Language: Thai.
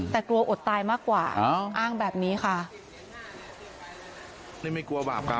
แต่กลัวอดตายมากกว่าอ้างแบบนี้ค่ะนี่ไม่กลัวบาปกรรม